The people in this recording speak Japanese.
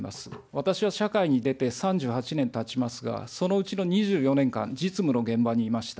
私は社会に出て３８年たちますが、そのうちの２４年間、実務の現場にいました。